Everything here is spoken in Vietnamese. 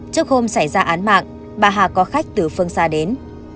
trước hôm xảy ra án mạng bà hà có khách từ phương xa đến